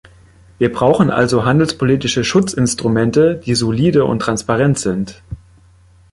Wir brauchen also handelspolitische Schutzinstrumente, die solide und transparent sind.